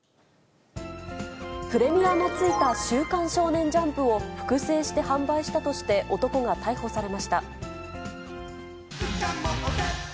プレミアのついた週刊少年ジャンプを複製して販売したとして、男が逮捕されました。